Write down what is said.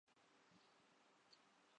ہمیں ٹھنڈ نہیں لگ رہی تھی۔